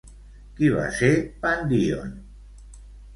Qui va ser Pandíon?